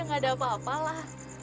gak ada apa apa lah